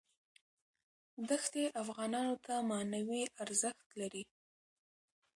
دښتې افغانانو ته معنوي ارزښت لري.